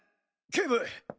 警部！